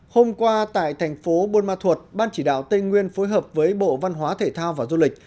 hôm qua tại thành phố buôn ma thuột ban chỉ đạo tây nguyên phối hợp với bộ văn hóa thể thao và du lịch